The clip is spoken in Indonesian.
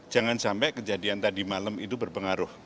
jangan sampai kejadian tadi malam itu berpengaruh